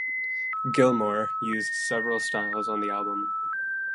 Gilmour used several styles on the album.